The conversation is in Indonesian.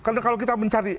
karena kalau kita mencari